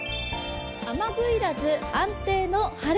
雨具要らず、安定の晴れ。